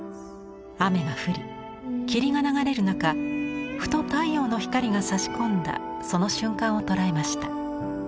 雨が降り霧が流れる中ふと太陽の光がさし込んだその瞬間を捉えました。